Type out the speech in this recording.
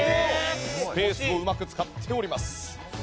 スペースをうまく使っています。